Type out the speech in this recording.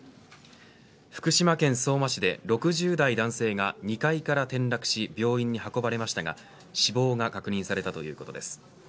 福島県相馬市で６０代男性が２階から転落し病院に運ばれましたが死亡が確認されたということです。